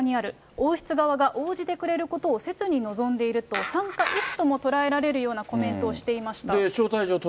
王室側が応じてくれることをせつに望んでいると、参加意思とも捉えられるような発言をしていました。